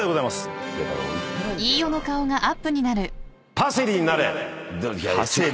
「パセリになれ！」